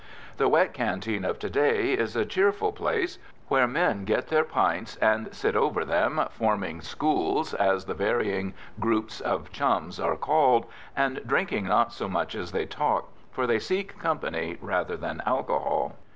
The wet canteen of to day is a cheerful place where men get their pints and sit over them, forming "schools," as the various groups of chums are called, and drinking not so much as they talk, for they seek company rather than alcohol.